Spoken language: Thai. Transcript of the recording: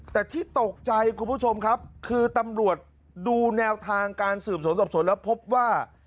แต่ที่ตกใจคุณผู้ชมครับคือตำรวจดูแนวทางการสืบสวนสอบสวนแล้วพบว่า